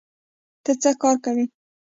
ته څه کار کوې؟